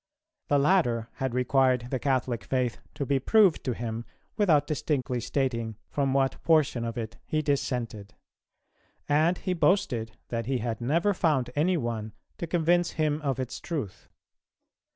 The latter had required the Catholic faith to be proved to him, without distinctly stating from what portion of it he dissented; and he boasted that he had never found any one to convince him of its truth.